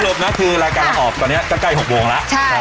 นะคือรายการเราออกตอนนี้ใกล้๖โมงแล้ว